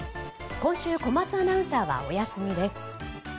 今週、小松アナウンサーはお休みです。